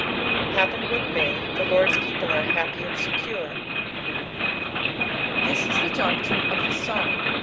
— Happen what may, the Lord" a people art happy and secure, this is the doctrine qfthe PsalTn.